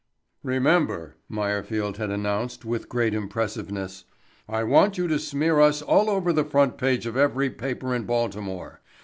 "Remember," Meyerfield had announced with great impressiveness, "I want you to smear us all over the front page of every paper in Baltimore.